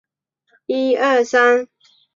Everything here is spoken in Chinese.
凯撒决定要用他的名兴建一个广场。